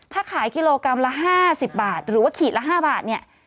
ถ้าขายกิโลกรัมละ๕๐บาทหรือว่าขีดละ๕บาทเนี่ย